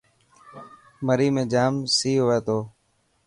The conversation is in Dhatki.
مري ۾ جام سي هئي ٿو.